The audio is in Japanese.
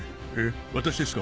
私ですか？